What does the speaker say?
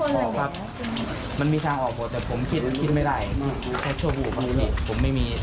ครับมันมีทางออกกว่าแต่ผมคิดคิดไม่ได้แค่ช่วงผมพี่ผมไม่มี